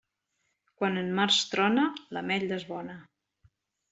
Quan en març trona, l'ametlla és bona.